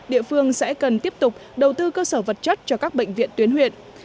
địa phương sẽ cần tiếp tục đầu tư cơ sở vật chất cho các bệnh viện tuyến huyện